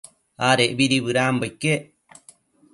Adecbidi bëdanbo iquec